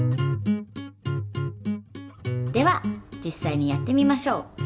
では実さいにやってみましょう。